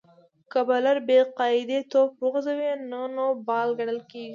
که بالر بې قاعدې توپ ور وغورځوي؛ نو نو بال ګڼل کیږي.